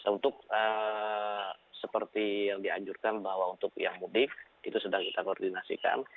untuk seperti yang dianjurkan bahwa untuk yang mudik itu sedang kita koordinasikan